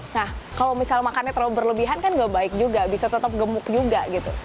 nah kalau misal makannya terlalu berlebihan kan gak baik juga bisa tetap gemuk juga gitu